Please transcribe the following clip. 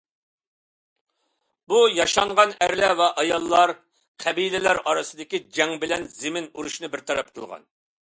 بۇ ياشانغان ئەرلەر ۋە ئاياللار قەبىلىلەر ئارىسىدىكى جەڭ بىلەن زېمىن ئۇرۇشىنى بىر تەرەپ قىلغان.